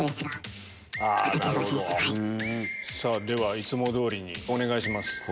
ではいつも通りにお願いします。